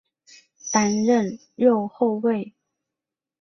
担任右后卫。